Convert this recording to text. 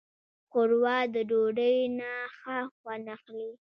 ښوروا د ډوډۍ نه ښه خوند اخلي.